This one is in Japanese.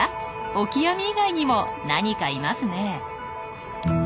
オキアミ以外にも何かいますね。